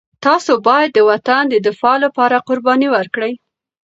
تاسو باید د وطن د دفاع لپاره قرباني ورکړئ.